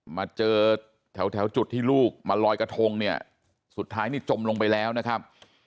มาเจอแถวจุดที่ลูกมาลอยกระทงเนี่ยสุดท้ายนี่จมลงไปแล้วนะครับ